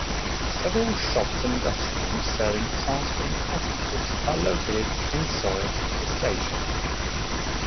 Several shops and restaurants serving transferring passengers are located inside the station.